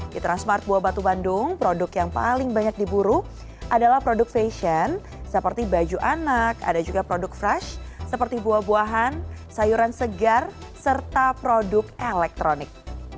di transmart buah batu bandung produk yang paling banyak diburu adalah produk fashion seperti baju anak ada juga produk fresh seperti buah buahan sayuran segar serta produk elektronik